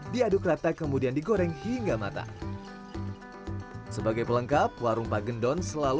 diaduk rata kemudian digoreng hingga matang sebagai pelengkap warung pak gendon selalu